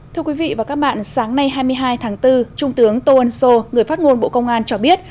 thưa quý vị và các bạn sáng nay hai mươi hai tháng bốn trung tướng tô ân sô người phát ngôn bộ công an cho biết